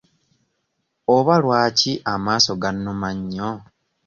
Oba lwaki amaaso gannuma nnyo?